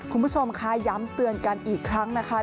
คุณผู้ชมค่ะย้ำเตือนกันอีกครั้งนะคะ